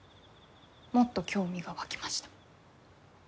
もっと興味が湧きました。